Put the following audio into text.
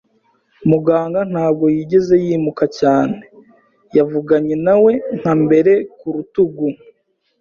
Muganga ntabwo yigeze yimuka cyane. Yavuganye na we nka mbere, ku rutugu